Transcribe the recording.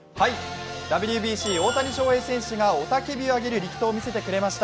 ＷＢＣ、大谷翔平選手が雄たけびを見せる力投を見せてくれました。